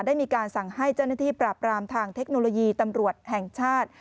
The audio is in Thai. ได้มีการสั่งให้เจ้าหน้าที่ปราบรามทางเทคโนโลยีตำรวจแห่งชาติ